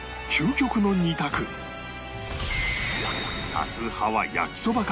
多数派は焼きそばか？